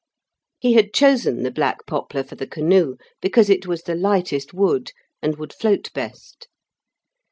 He had chosen the black poplar for the canoe because it was the lightest wood, and would float best.